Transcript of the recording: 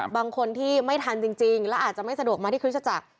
บางคนที่ไม่ทันจริงแล้วอาจจะไม่สะดวกมาที่คริสตจักร